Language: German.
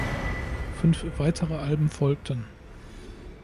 Fünf weitere Alben folgten.